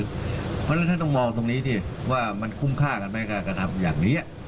เพราะฉะนั้นท่านต้องมองตรงนี้สิว่ามันคุ้มค่ากันไหมการกระทำอย่างนี้